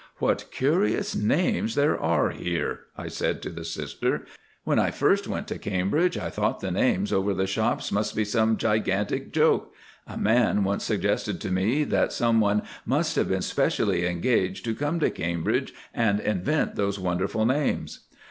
"What curious names there are here," I said to the Sister; "when I first went to Cambridge I thought the names over the shops must be some gigantic joke—a man once suggested to me that someone must have been specially engaged to come to Cambridge and invent those wonderful names."